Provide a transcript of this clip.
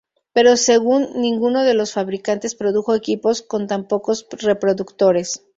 Pero según ninguno de los fabricantes produjo equipos con tan pocos reproductores.